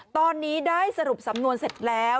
ตอนนี้ได้สรุปสำนวนเสร็จแล้ว